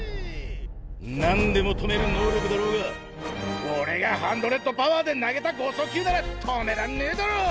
何でも止める能力だろうが俺がハンドレッドパワーで投げた剛速球なら止めらんねえだろ！